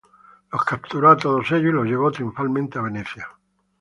Los capturó a todos ellos y los llevó triunfalmente a Venecia.